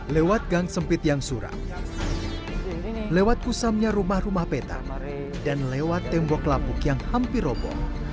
lewat gang sempit yang suram lewat kusamnya rumah rumah peta dan lewat tembok labuk yang hampir roboh